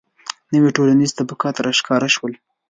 • نوي ټولنیز طبقات راښکاره شول.